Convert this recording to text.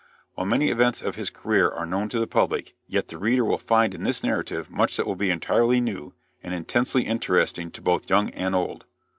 While many events of his career are known to the public, yet the reader will find in this narrative much that will be entirely new and intensely interesting to both young and old.